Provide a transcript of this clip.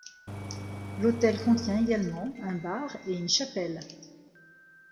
L'hôtel contient également un bar et une chapelle.